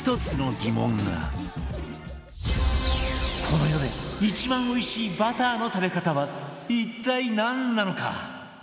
この世で一番おいしいバターの食べ方は一体なんなのか？